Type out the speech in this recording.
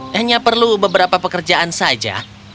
hanya perlu beberapa pekerjaan saja